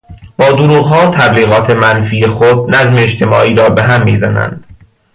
با دروغها و تبلیغات منفی خود نظم اجتماعی را به هم میزنند.